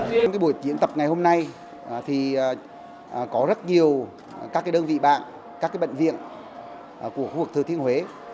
trong buổi diễn tập ngày hôm nay thì có rất nhiều các đơn vị bạn các bệnh viện của khu vực thừa thiên huế